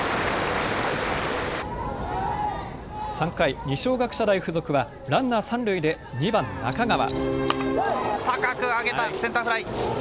３回、二松学舎大付属はランナー三塁で２番・中川。